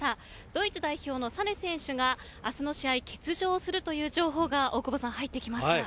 ドイツ代表のサネ選手が明日の試合欠場するという情報が入ってきました。